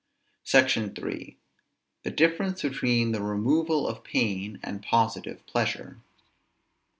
SECTION III. THE DIFFERENCE BETWEEN THE REMOVAL OF PAIN AND POSITIVE PLEASURE.